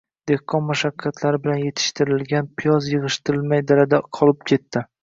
dehqon mashaqqatlari bilan yetishtirilgan piyoz yig‘ishtirilmay dalada qolib ketdi.